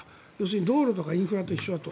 道路とかインフラと一緒だと。